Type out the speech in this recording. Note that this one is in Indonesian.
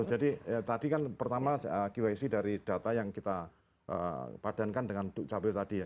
jadi tadi kan pertama qic dari data yang kita padankan dengan duk cabel tadi